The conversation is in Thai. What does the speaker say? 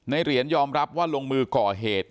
เหรียญยอมรับว่าลงมือก่อเหตุ